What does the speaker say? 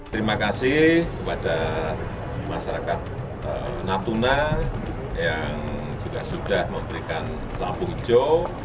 terima kasih kepada masyarakat natuna yang juga sudah memberikan lampu hijau